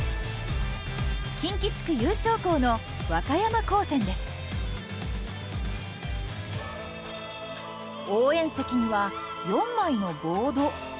近畿地区優勝校の応援席には４枚のボード。